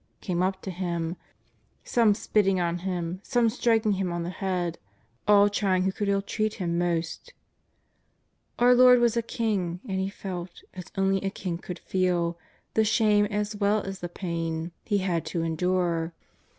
'' came up to Him, some spitting on Him, some striking Him on the head, all trying who could illtreat Him most. Our Lord was a king, and He felt, as only a king could feel, the shame as well as the pain He had to endure.